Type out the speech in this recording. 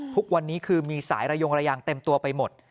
ทุกวันนี้คือมีสายระยงระยางเต็มตัวไปหมด